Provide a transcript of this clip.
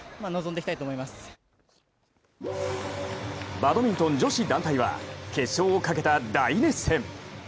バドミントン女子団体は決勝をかけた大熱戦。